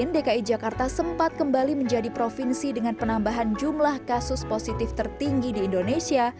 dki jakarta sempat kembali menjadi provinsi dengan penambahan jumlah kasus positif tertinggi di indonesia